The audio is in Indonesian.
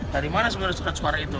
dari mana sebenarnya surat suara itu